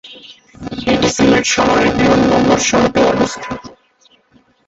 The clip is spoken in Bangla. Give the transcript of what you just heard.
এটি সিলেট শহরের বিমানবন্দর সড়কে অবস্থিত।